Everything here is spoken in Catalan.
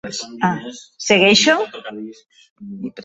Segueixo?